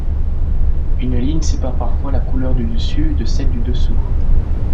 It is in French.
Une ligne sépare parfois la couleur du dessus de celle du dessous.